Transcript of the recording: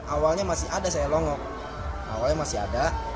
awalnya masih ada saya longok awalnya masih ada